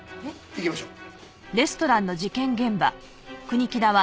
行きましょう。